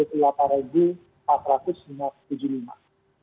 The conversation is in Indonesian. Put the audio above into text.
card loss di bawah empat ratus tujuh puluh lima